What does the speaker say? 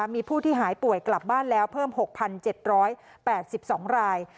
มีผู้ที่หายป่วยกลับบ้านแล้วเพิ่ม๖๗๘๒ราย